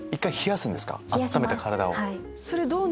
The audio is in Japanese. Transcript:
１回冷やすんですか温めた体を。